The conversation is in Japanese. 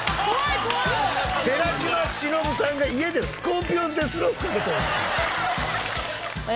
寺島しのぶさんが家でスコーピオンデスロックかけてるんですか？